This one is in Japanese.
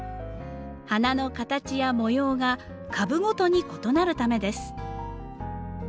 花の形や模様が株ごとに異なるためです。